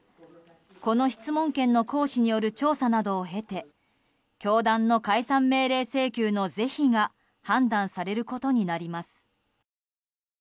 この質問権の行使による調査などを経て教団の解散命令請求の是非が判断されることになります。